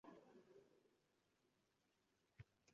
Davru davronlarni birga kechirdik